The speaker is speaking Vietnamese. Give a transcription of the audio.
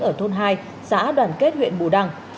ở thôn hai xã đoàn kết huyện bù đăng